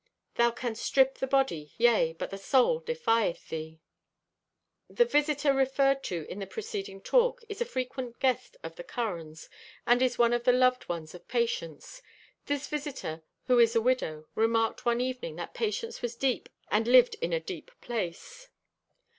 "Thou canst strip the body, yea, but the soul defieth thee!" The visitor referred to in the preceding talk is a frequent guest of the Currans, and is one of the loved ones of Patience. This visitor, who is a widow, remarked one evening that Patience was deep and lived in a deep place.